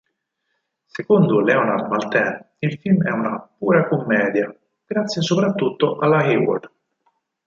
Secondo Leonard Maltin il film è una "pura commedia" grazie soprattutto alla Hayward.